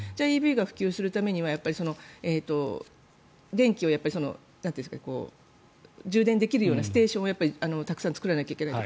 ＥＶが普及するためには電気を、充電できるようなステーションをたくさん作らなきゃいけない。